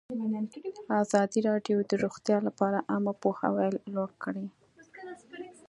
ازادي راډیو د روغتیا لپاره عامه پوهاوي لوړ کړی.